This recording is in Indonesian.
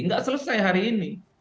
nggak selesai hari ini